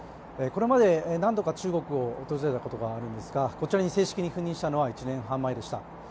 これまで何度か中国を訪れたことがあるんですがこちらに正式に赴任したのは、１年半前でした。